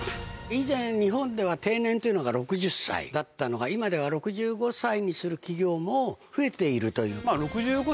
以前日本では定年というのが６０歳だったのが今では６５歳にする企業も増えているという。